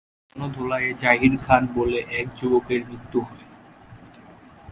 গণ ধোলাইয়ে জাহির খান বলে এক যুবকের মৃত্যু হয়।